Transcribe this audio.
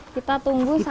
kita tunggu sampai